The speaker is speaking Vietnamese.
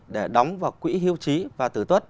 để đóng vào quỹ hưu trí và tử tuất